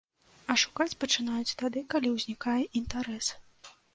А шукаць пачынаюць тады, калі ўзнікае інтарэс.